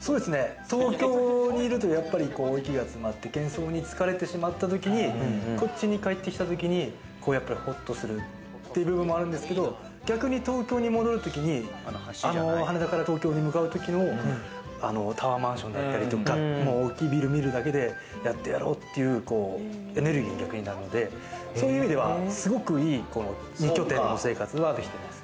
東京にいると息が詰まって喧騒に疲れてしまった時に、こっちに帰ってきたときにほっとするという部分もあるんですけど、逆に東京に戻るときに羽田から東京に向かうときのタワーマンションだったりとか、大きいビル見るだけで、やってやろうっていうエネルギーになるのでそういう意味では、すごくいい２拠点の生活はできてます。